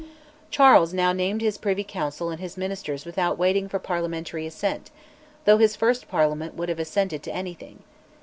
Charles now named his Privy Council and Ministers without waiting for parliamentary assent though his first Parliament would have assented to anything.